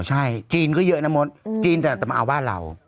จีนก็เยอะนั้นแล้วมดจีนแต่จะมาเอาบ้านเรา